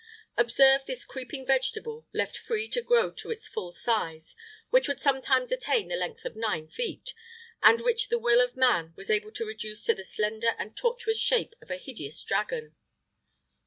Observe this creeping vegetable, left free to grow to its full size, which would sometimes attain the length of nine feet,[IX 57] and which the will of man was able to reduce to the slender and tortuous shape of a hideous dragon.